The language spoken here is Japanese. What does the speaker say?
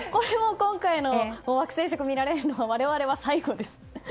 今回の惑星食を見られるのは我々は最後です。